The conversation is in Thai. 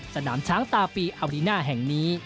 สนามช้างตาปีอารีน่าแห่งนี้